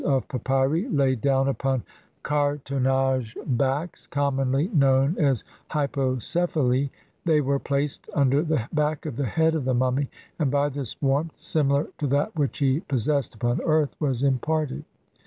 of papyri laid down upon cartonnage backs, commonly known as "hypocephali" ; they were placed under the back of the head of the mummy and by this warmth, similar to that which he possessed upon earth, was imparted.